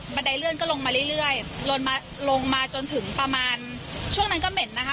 ไดเลื่อนก็ลงมาเรื่อยลนมาลงมาจนถึงประมาณช่วงนั้นก็เหม็นนะคะ